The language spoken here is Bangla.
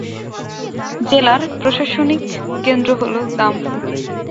জেলার প্রশাসনিক কেন্দ্র হল দামফু।